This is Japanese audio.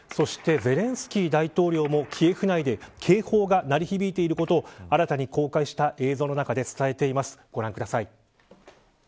そして、ゼレンスキー大統領もキエフ内で警報が鳴り響いていることを、新たに公開した映像の中で伝えています。